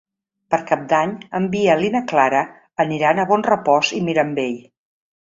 Per Cap d'Any en Biel i na Clara aniran a Bonrepòs i Mirambell.